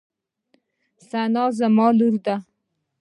ثنا زما لور ده.